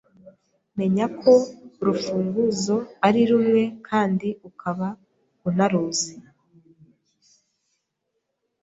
menya ko urufunguzo ari rumwe kandi ukaba unaruzi .